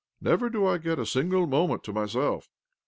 Never do I get a single moment to myself."